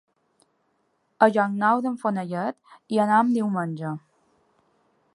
A Llocnou d'en Fenollet hi anem diumenge.